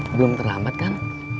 belum terlambat kan